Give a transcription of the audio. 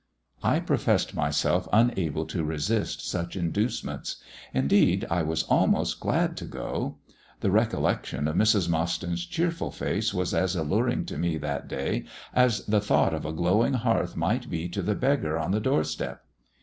I professed myself unable to resist such inducements. Indeed, I was almost glad to go. The recollection of Mrs. Mostyn's cheerful face was as alluring to me that day as the thought of a glowing hearth might be to the beggar on the door step.